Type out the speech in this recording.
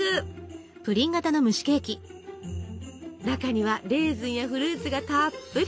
中にはレーズンやフルーツがたっぷり。